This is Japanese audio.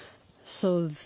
そうですか。